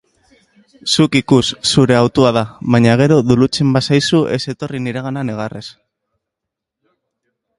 Zuk ikus, zure hautua da. Baina gero dolutzen bazaizu ez etorri niregana negarrez.